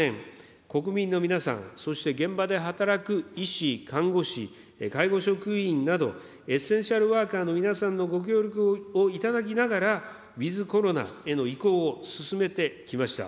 国民の皆さん、そして現場で働く医師、看護師、介護職員など、エッセンシャルワーカーの皆さんのご協力を頂きながら、ウィズコロナへの移行を進めてきました。